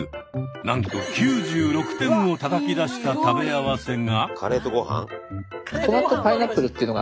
なんと９６点をたたき出した「食べ合わせ」が。